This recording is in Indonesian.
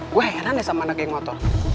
gue heran deh sama anak yang motor